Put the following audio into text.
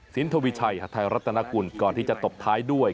สินธวิชัยธรรษนกุลก่อนที่จะตบท้ายด้วย